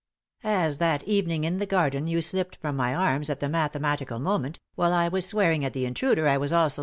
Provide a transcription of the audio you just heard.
"As that evening in the garden you slipped from my arms at the mathematical moment, while I was swearing at the intruder I was also.